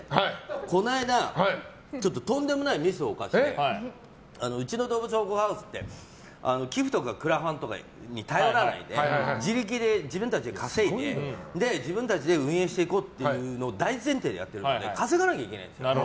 この間とんでもないミスを犯してうちの動物保護ハウスって寄付とかクラファンとかに頼らないで自力で自分たちで稼いで自分たちで運営していこうというのを大前提でやっているから稼がなきゃいけないんです。